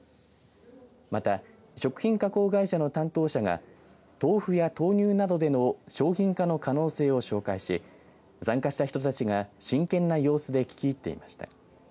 また、食品加工会社の担当者が豆腐や豆乳などでの商品化の可能性を紹介し参加した人たちが真剣な様子で聞き入っていました。